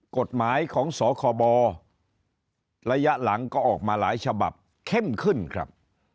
กฎหมายของสคบระยะหลังก็ออกมาหลายฉบับเข้มขึ้นครับ